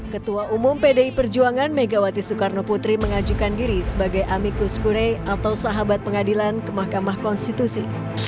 ketua umum pdi perjuangan megawati soekarno putri mengajukan diri sebagai amikus kure atau sahabat pengadilan ke mahkamah konstitusi